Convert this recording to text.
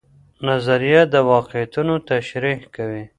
نظریه د واقعیتونو تشریح کوي.